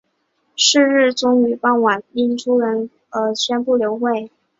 是日最终于傍晚再度因出席人数不足而宣布流会。